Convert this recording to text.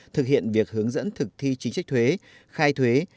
thực hiện việc hướng dẫn thực thi chính sách thuế